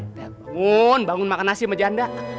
saya bangun bangun makan nasi sama janda